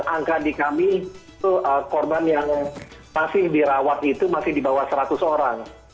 angka di kami itu korban yang masih dirawat itu masih di bawah seratus orang